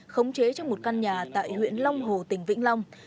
khống chế trong một căn nhà tại huyện long hồ tỉnh vĩnh long